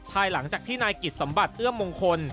ภายหลังจากที่นายกิจสมบัติเอื้อมมงคล